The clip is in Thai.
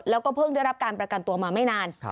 แล้วก็เพิ่งได้รับการประกันตัวมาไม่นาน